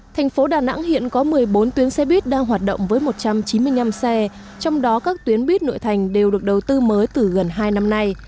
thành phố đà nẵng hiện có một mươi bốn tuyến xe buýt đang hoạt động với một trăm chín mươi năm xe trong đó các tuyến buýt nội thành đều được đầu tư mới từ gần hai năm nay